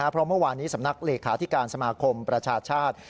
เพราะเมื่อวานนี้สำนักเลขาธิการสมาคมประชาชาติ